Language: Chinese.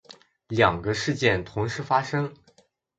两个事件同时发生